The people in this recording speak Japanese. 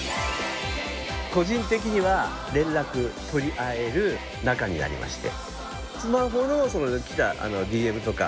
個人的には連絡取り合える仲になりまして。